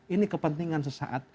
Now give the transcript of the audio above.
ini kepentingan sesaat